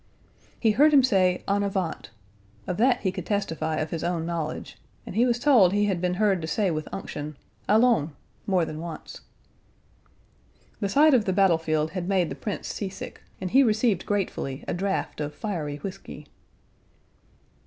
He heard him say "en avant," of that he could testify of his own knowledge, and he was told he had been heard to say with unction "Allons" more than once. The sight of the battle field had made the Prince seasick, and he received gratefully a draft of fiery whisky.